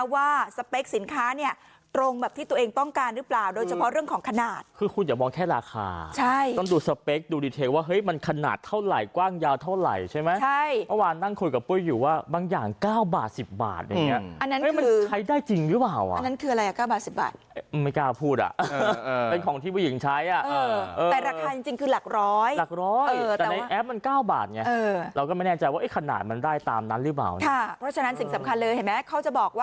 ว่าสเปคสินค้าเนี่ยตรงแบบที่ตัวเองต้องการหรือเปล่าโดยเฉพาะเรื่องของขนาดคือคุณจะมองแค่ราคาใช่ต้องดูสเปคดูดิเทคว่าเฮ้ยมันขนาดเท่าไหร่กว้างยาวเท่าไหร่ใช่ไหมใช่เมื่อวานนั่งคุยกับปุ๊ยอยู่ว่าบางอย่าง๙บาท๑๐บาทอันนั้นใช้ได้จริงหรือเปล่าอันนั้นคืออะไร๙บาท๑๐บาทไม่กล้าพูด